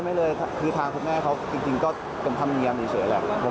ไม่เลยคือทางคุณแม่เขาจริงก็เป็นธรรมเนียมเฉยแหละ